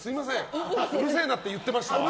うるせえなって言ってましたわ。